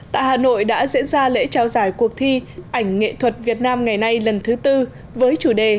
tại hà nội đã diễn ra lễ trao giải cuộc thi ảnh nghệ thuật việt nam ngày nay lần thứ tư với chủ đề